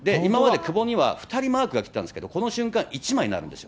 久保には２人マークが来てたんですけど、この瞬間、１枚になるんですよ。